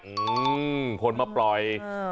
อืมคนมาปล่อย